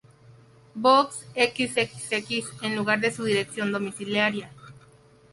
Box xxx, en lugar de su dirección domiciliaria.